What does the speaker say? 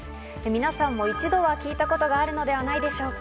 皆さんも一度は聞いたことがあるのではないでしょうか。